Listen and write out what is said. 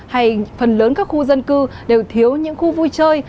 hay phần lớn các khu dân cư đều thiếu những khu vui chơi